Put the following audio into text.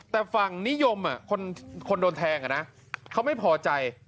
แต่ฝั่งนิยมคนโดนแทงเขาไม่พอใจ